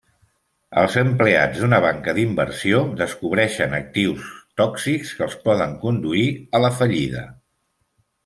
Els empleats d'una banca d'inversió descobreixen actius tòxics que els poden conduir a la fallida.